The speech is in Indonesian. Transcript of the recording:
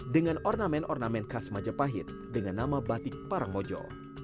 dengan ornamen ornamen khas majapahit dengan nama batik parangbojo